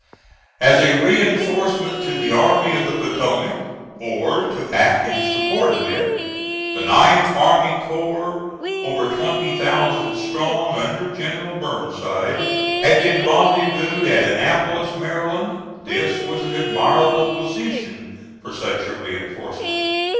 As a reinforcement to the Army of the Potomac, or to act in support of it, the 9th army corps, over twenty thousand strong, under General Burnside, had been rendezvoused at Annapolis, Maryland. This was an admirable position for such a reinforcement.